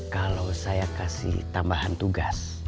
kalau saya kasih tambahan tugas